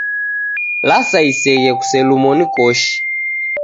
Lasa iseghe, kuselumo ni koshi.